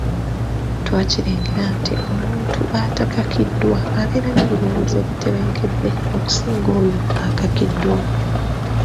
Twakirengera nti omuntu atakakiddwa abeera n’ebirowoozo ebitebenkedde okusinga oyo akakiddwa.